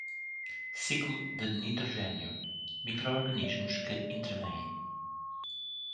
Ciclo de nitrogênio: microorganismos que intervêm.